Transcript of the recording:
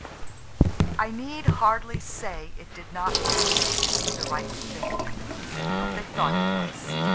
I need hardly say it did not prove to be the right thing–but they thought it was.